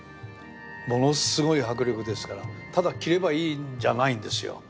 ものすごい迫力ですからただ着ればいいんじゃないんですよ。